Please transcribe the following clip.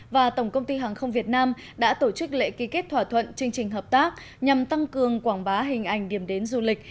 và tổng công ty hàng không việt nam đã tổ chức lễ ký kết thỏa thuận chương trình hợp tác nhằm tăng cường quảng bá hình ảnh điểm đến du lịch